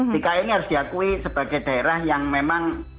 dki ini harus diakui sebagai daerah yang memang